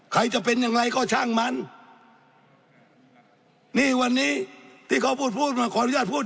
ใครจะเป็นอย่างไรก็ช่างมันนี่วันนี้ที่เขาพูดพูดมาขออนุญาตพูด